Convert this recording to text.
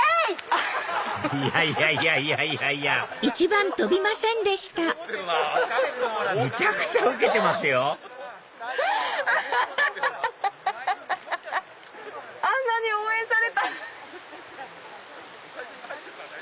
あんなに応援されたのに。